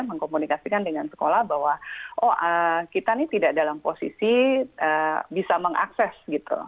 mengkomunikasikan dengan sekolah bahwa oh kita ini tidak dalam posisi bisa mengakses gitu